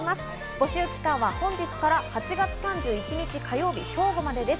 募集期間は本日から８月３１日、火曜日、正午までです。